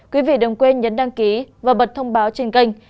quý vị đừng quên nhấn đăng ký và bật thông báo trên kênh